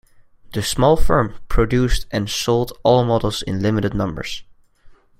The small firm produced and sold all models in limited numbers.